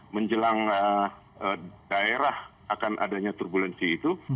menjelang daerah akan adanya turbulensi itu